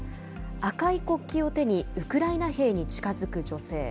赤い国旗を手に、ウクライナ兵に近づく女性。